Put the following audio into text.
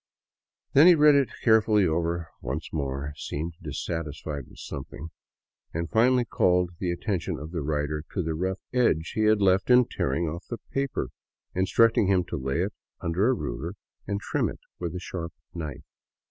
Then he read it care fully over once more, seemed dissatisfied with something, and finally called the attention of the writer to the rough edge he had left in tearing off the paper, instructing him to lay it under a ruler and trim it with a sharp knife.